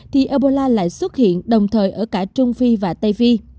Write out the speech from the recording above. thì ebola lại xuất hiện đồng thời ở cả trung phi và tây phi